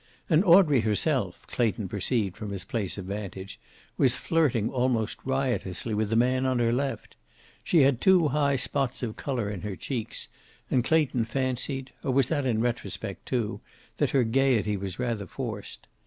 And Audrey herself, Clayton perceived from his place of vantage, was flirting almost riotously with the man on her left. She had two high spots of color in her cheeks, and Clayton fancied or was that in retrospect, too? that her gayety was rather forced.